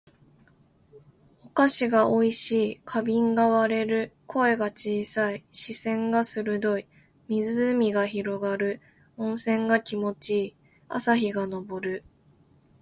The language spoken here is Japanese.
お菓子が美味しい。花瓶が割れる。声が小さい。視線が鋭い。湖が広がる。温泉が気持ち良い。朝日が昇る。